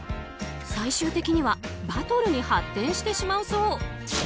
最終的にはバトルに発展してしまうそう。